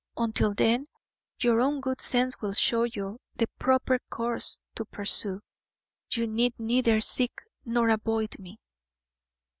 Until then your own good sense will show you the proper course to pursue; you need neither seek nor avoid me."